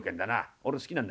俺好きなんだ。